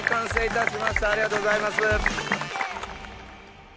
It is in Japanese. ありがとうございます。